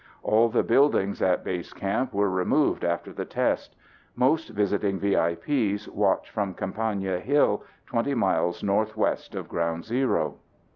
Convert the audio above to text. All the buildings at base camp were removed after the test. Most visiting VIPs watched from Compania Hill, 20 miles northwest of ground zero.